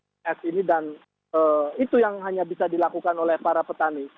karena mereka terkena embun es ini dan itu yang hanya bisa dilakukan oleh para petani